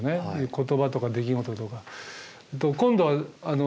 言葉とか出来事とか。